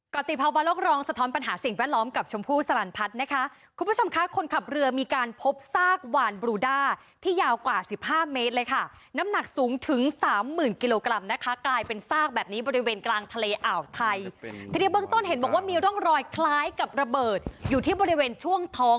ปฏิภาวะโลกรองสะท้อนปัญหาสิ่งแวดล้อมกับชมพู่สลันพัฒน์นะคะคุณผู้ชมค่ะคนขับเรือมีการพบซากวานบรูด้าที่ยาวกว่าสิบห้าเมตรเลยค่ะน้ำหนักสูงถึงสามหมื่นกิโลกรัมนะคะกลายเป็นซากแบบนี้บริเวณกลางทะเลอ่าวไทยทีนี้เบื้องต้นเห็นบอกว่ามีร่องรอยคล้ายกับระเบิดอยู่ที่บริเวณช่วงท้อง